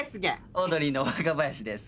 オードリーの若林です。